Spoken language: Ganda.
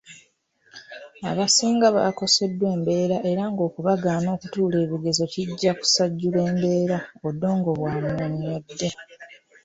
"Abasinga bakoseddwa embeera era ng'okubagaana okutuula ebibuuzo kijja kusajjula mbeera," Odongo bw'annyonnyodde.